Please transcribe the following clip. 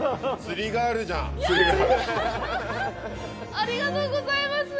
ありがとうございます！